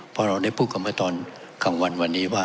เพราะเราในพูดกลับมาตอนกันวันหนึ่งว่า